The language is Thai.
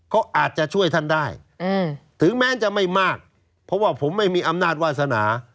ก็อาจจะช่วยท่านได้ถึงแม้จะไม่มากเพราะว่าผมไม่มีอำนาจวาสนา